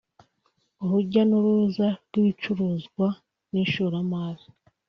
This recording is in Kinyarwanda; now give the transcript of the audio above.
urujya n’uruza rw’ibicuruzwa n’ishoramari